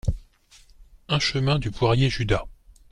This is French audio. un chemin du Poirier Judas